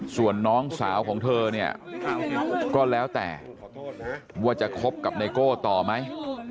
ส่วนน้องสาวของเธอเนี่ยก็แล้วแต่ว่าจะคบกับไนโก้ต่อไหม